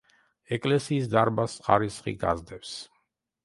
ეკლესიის დარბაზს ხარისხი გასდევს.